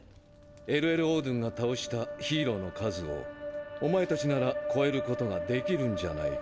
Ｌ．Ｌ．オードゥンが倒したヒーローの数をお前たちなら超えることができるんじゃないか？